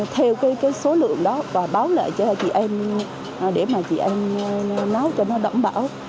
theo cái số lượng đó và báo lại cho chị em để mà chị em nói cho nó đảm bảo